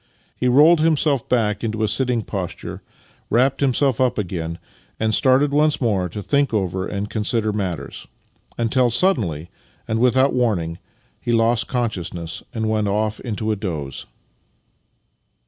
He rolled himself back into a sitting posture, v/rapped himself up again, and started once more to think over and consider matters; until suddenly, and without warning, he lost con sciousness and went off into a doze.